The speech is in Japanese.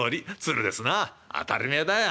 「当たりめえだよ。